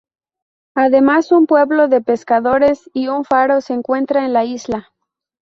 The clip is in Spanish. Además un pueblo de pescadores y un faro se encuentran en la isla.